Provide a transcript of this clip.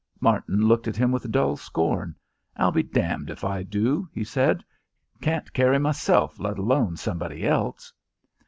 Martin looked at him with dull scorn. "I'll be damned if I do," he said. "Can't carry myself, let alone somebody else."